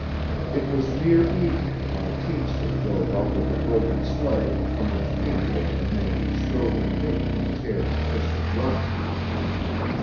It was near evening when a teamster drove up with a broken sleigh from which Campbell and the man strove in vain to tear the twisted runner.